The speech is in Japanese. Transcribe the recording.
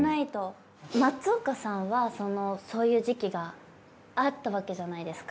松岡さんはそういう時期があったわけじゃないですか。